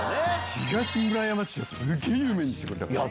東村山市をすげぇ有名にしてくれたから。